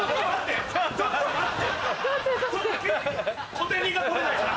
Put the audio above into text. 小銭が取れないから。